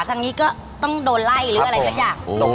ทางนี้ก็ต้องโดนไล่หรืออะไรสักอย่าง